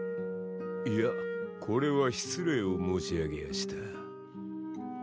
いやこれは失礼を申し上げやした。